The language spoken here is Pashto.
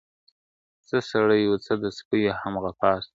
څه سړي وه څه د سپيو هم غپا سوه `